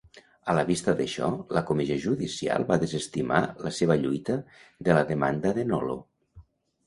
A la vista d'això, la comissió judicial va desestimar la seva lluita de la demanda de Nolo.